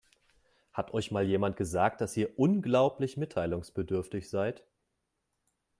Hat euch mal jemand gesagt, dass ihr unglaublich mitteilungsbedürftig seid?